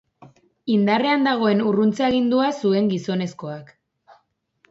Indarrean dagoen urruntze-agindua zuen gizonezkoak.